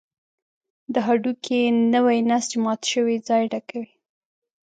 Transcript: د هډوکي نوی نسج مات شوی ځای ډکوي.